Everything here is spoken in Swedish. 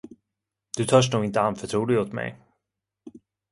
Du törs nog inte anförtro dig åt mig.